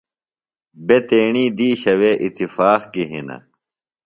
بےۡ تیݨی دِیشہ وے اتفاق کی ہِنہ۔